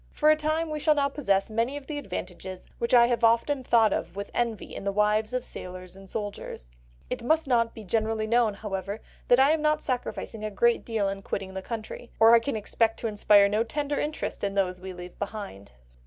For a time we shall now possess many of the advantages which I have often thought of with envy in the wives of sailors or soldiers. It must not be generally known, however, that I am not sacrificing a great deal in quitting the country, or I can expect to inspire no tender interest in those we leave behind."